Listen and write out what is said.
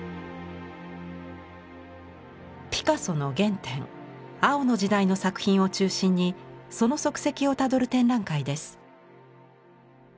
ピカソの原点青の時代の作品を中心にその足跡をたどる展覧会です。